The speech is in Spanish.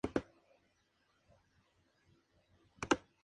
Uno de ellos sobresale de la pared interior en el lado sur-sureste.